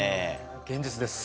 現実です。